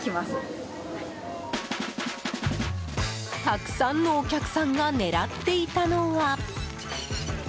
たくさんのお客さんが狙っていたのは。